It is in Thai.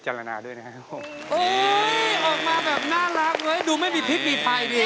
อุ๊ยออกมาแบบน่ารักเลยดูไม่มีพริกมีไฟดี